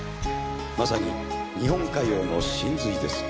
まさに日本歌謡の神髄です。